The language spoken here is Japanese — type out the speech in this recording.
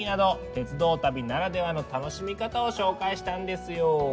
鉄道旅ならではの楽しみ方を紹介したんですよ。